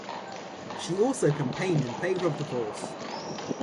She also campaigned in favour of divorce.